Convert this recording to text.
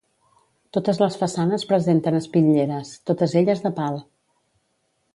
Totes les façanes presenten espitlleres, totes elles de pal.